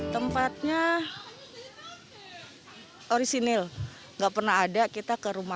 tempatnya orisinil nggak pernah ada kita ke rumah